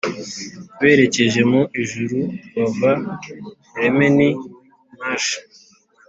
berekeje mu ijuru bava romney marsh,